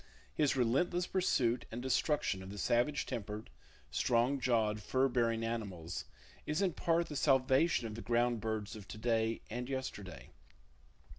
His relentless pursuit and destruction of the savage tempered, strong jawed fur bearing animals is in part the salvation of the ground birds of to day and yesterday.